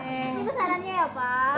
ini pesanannya ya pak